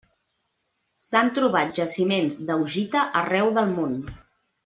S'han trobat jaciments d'augita arreu del món.